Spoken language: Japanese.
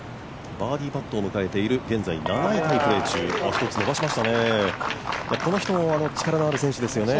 バーディーパットを迎えている現在７位タイプレー中１つ伸ばしましたね。